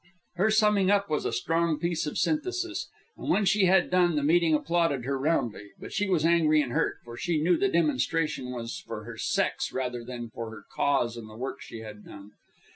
Her summing up was a strong piece of synthesis; and when she had done, the meeting applauded her roundly. But she was angry and hurt, for she knew the demonstration was for her sex rather than for her cause and the work she had done.